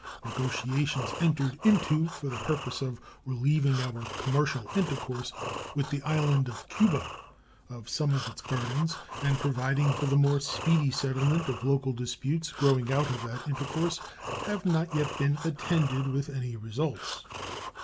Negotiations entered into for the purpose of relieving our commercial intercourse with the island of Cuba of some of its burdens and providing for the more speedy settlement of local disputes growing out of that intercourse have not yet been attended with any results.